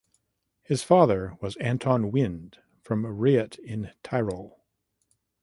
His father was Anton Wind from Reutte in Tyrol.